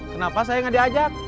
kenapa saya gak diajak